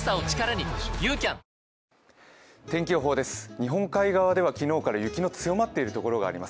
日本海側では昨日から雪の強まっているところがあります。